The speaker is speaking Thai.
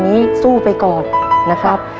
หนึ่งล้าน